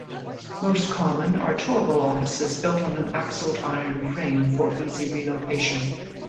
Most common are towable offices built on an axled iron frame for easy relocation.